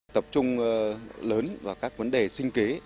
tập trung lớn vào các vấn đề sinh kế